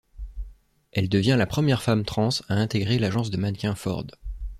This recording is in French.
Elle devient la première femme trans à intégrer l'agence de mannequins Ford.